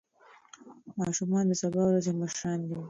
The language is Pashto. ماشومان د سبا ورځې مشران دي.